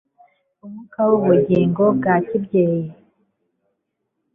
Umwuka wubugingo bwa kibyeyi